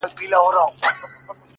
• د چا خبرو ته به غوږ نه نيسو؛